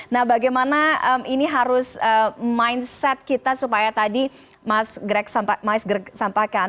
nah bagaimana ini harus mindset kita supaya tadi mas greg mas sampaikan